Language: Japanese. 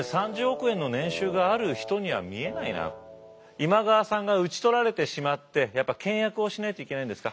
今川さんが討ち取られてしまってやっぱ倹約をしないといけないんですか？